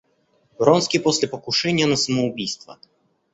Вронский после покушения на самоубийство.